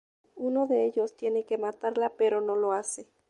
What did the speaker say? Uno de ellos tiene que matarla, pero no lo hace.